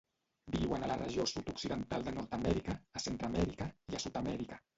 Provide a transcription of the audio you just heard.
Viuen a la regió sud-occidental de Nord-amèrica, a Centreamèrica i a Sud-amèrica.